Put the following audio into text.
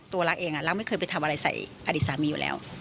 ตัวลักษณ์เองลักษณ์ไม่เคยไปทำอะไรใสอดีตสามีอยู่แล้ว